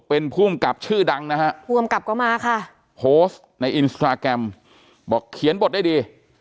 เป็นผู้อำกับชื่อดังนะฮะโพสต์ในอินสตราแกรมบอกเขียนบทได้ดี